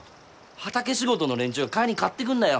畑仕事の連中が帰りに買ってくんだよ。